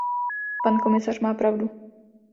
Pan komisař má pravdu.